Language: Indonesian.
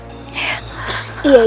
iya ibu undang